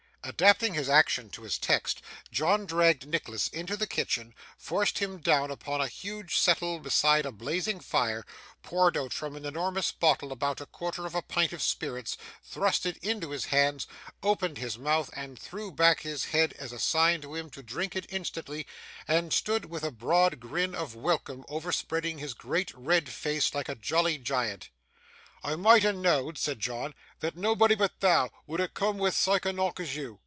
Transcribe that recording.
Adapting his action to his text, John dragged Nicholas into the kitchen, forced him down upon a huge settle beside a blazing fire, poured out from an enormous bottle about a quarter of a pint of spirits, thrust it into his hand, opened his mouth and threw back his head as a sign to him to drink it instantly, and stood with a broad grin of welcome overspreading his great red face like a jolly giant. 'I might ha' knowa'd,' said John, 'that nobody but thou would ha' coom wi' sike a knock as you.